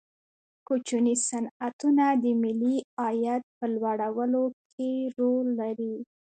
کوچني صنعتونه د ملي عاید په لوړولو کې رول لري.